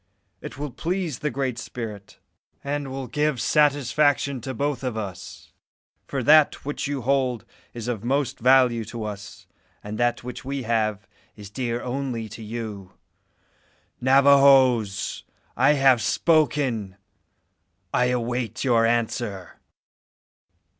It will please the Great Spirit, and will give satisfaction to both of us; for that which you hold is of most value to us, and that which we have is dear only to you. Navajoes! I have spoken. I await your answer."